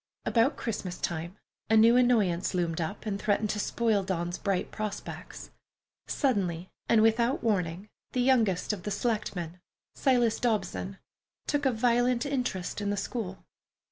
About Christmas time, a new annoyance loomed up and threatened to spoil Dawn's bright prospects. Suddenly, without warning, the youngest of the selectmen, Silas Dobson, took a violent interest in the school.